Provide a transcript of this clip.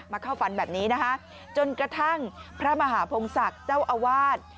เข้าฝันแบบนี้นะคะจนกระทั่งพระมหาพงศักดิ์เจ้าอาวาส